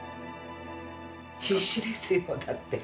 必死ですよだって。